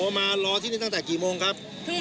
มารอที่นี่ตั้งแต่กี่โมงครับ